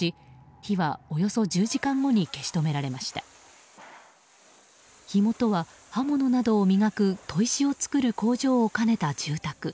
火元は刃物などを磨く砥石を作る工場を兼ねた住宅。